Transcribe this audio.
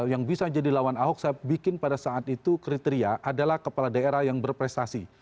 yang bisa jadi lawan ahok saya bikin pada saat itu kriteria adalah kepala daerah yang berprestasi